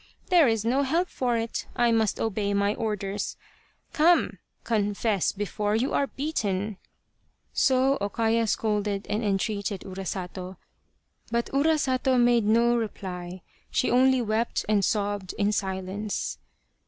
There is no help for it, I must obey my orders. Come, confess before you are beaten !" 148 Urasato, or the Crow of Dawn So O Kaya scolded and entreated Urasato ; but Urasato made no reply she only wept and sobbed in silence.